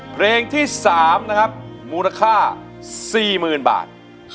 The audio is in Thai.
เพลงที่๓นะครับมูลค่า๔๐๐๐บาท